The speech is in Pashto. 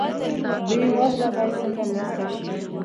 بې وزله باید څنګه مرسته شي؟